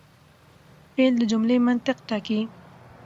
فعل د جملې منطق ټاکي.